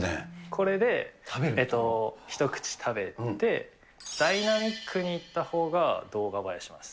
これで一口食べて、ダイナミックにいったほうが動画映えします。